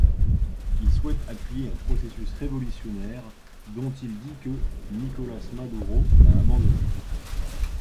Il souhaite appuyer un processus révolutionnaire dont il dit que Nicolás Maduro l'a abandonné.